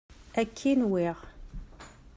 Akka i nwiɣ.